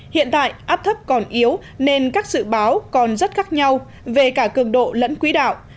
hiện tại áp thấp còn yếu nên các dự báo còn rất khác nhau về cả cường độ lẫn quý đạo